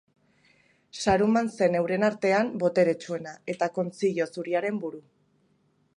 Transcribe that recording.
Saruman zen euren artean boteretsuena eta Kontzilio Zuriaren buru.